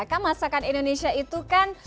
kan masakan indonesia itu kan